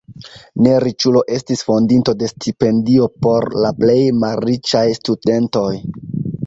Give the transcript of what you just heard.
Ne riĉulo estis fondinto de stipendio por la plej malriĉaj studentoj.